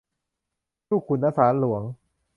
ลูกขุน ณ ศาลหลวง